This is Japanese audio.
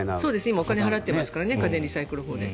今、お金を払っていますからね家電リサイクル法で。